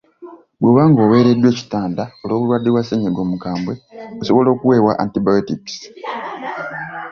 Bw’oba ng’oweereddwa ekitanda olw’obulwadde bwa ssennyiga omukambwe, osobola okuweebwa antibiotics.